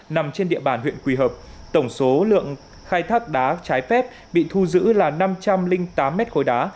nằm trên địa bàn huyện quỳ hợp tổng số lượng khai thác đá trái phép bị thu giữ là năm trăm linh tám mét khối đá